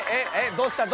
どうした？